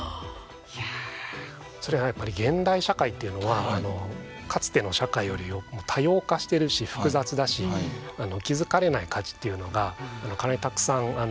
それはやっぱり現代社会っていうのはかつての社会より多様化してるし複雑だし気づかれない価値っていうのがかなりたくさん潜んでいるわけですよね。